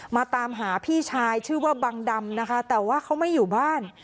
มาตามหาพี่ชายชื่อว่าบังดำนะคะแต่ว่าเขาไม่อยู่บ้าน